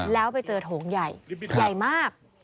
แล้วไปเจอโถงใหญ่ใหญ่มาก